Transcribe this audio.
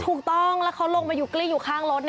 ถูกต้องแล้วเขาลงมาอยู่กลิ้งอยู่ข้างรถ